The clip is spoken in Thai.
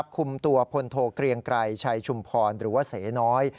คุมตัวพลโทเกรียงไกรชัยชุมพรหรือว่าเสน้อย